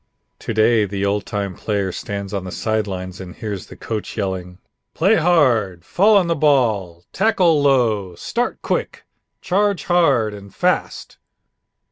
To day the old time player stands on the side lines and hears the coach yelling: "Play hard! Fall on the ball! Tackle low! Start quick! Charge hard and fast!"